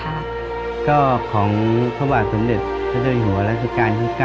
อาจารย์ก็ของภาพบาทสมเด็จถ้ามีหัวราชการที่๙